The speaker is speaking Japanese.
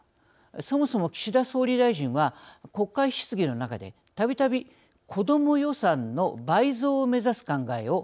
そもそも岸田総理大臣は国会質疑の中でたびたび子ども予算の倍増を目指す考えを表明しています。